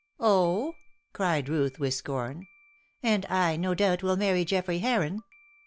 "Oh!" cried Ruth with scorn. "And I, no doubt, will marry Geoffrey Heron.